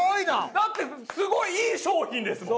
だってすごいいい商品ですもん。